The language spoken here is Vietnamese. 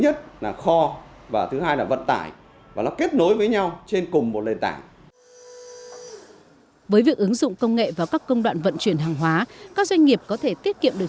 những kho khách hàng từ đó thì nó mới có thể tiết kiệm được